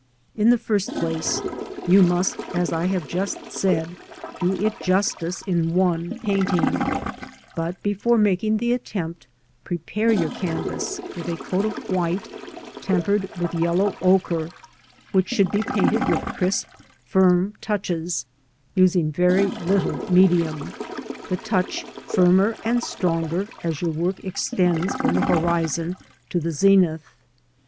In the first place you must, as I have just said, do it justice in one painting ; but before making the attempt, prepare your canvas with a coat of white, tempered with yellow ochre, which should be painted with crisp firm touches, using very little medium, the touch firmer and stronger as your work extends from the horizon to the zenith.